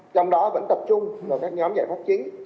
trong đó vẫn tập trung vào các nhóm giải pháp chính